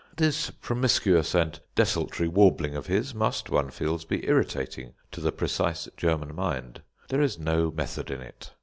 This promiscuous and desultory warbling of his must, one feels, be irritating to the precise German mind; there is no method in it.